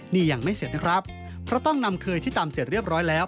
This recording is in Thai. เพราะต้องนำเคยที่ตามเสร็จเรียบร้อยแล้ว